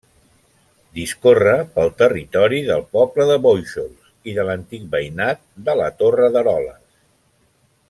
Discorre pel territori del poble de Bóixols i de l'antic veïnat de la Torre d'Eroles.